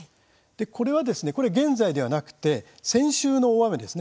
これは現在ではなく先週の大雨です。